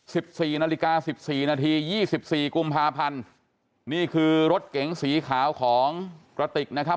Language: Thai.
สิบสี่นาฬิกาสิบสี่นาทียี่สิบสี่กุมภาพันธ์นี่คือรถเก๋งสีขาวของกระติกนะครับ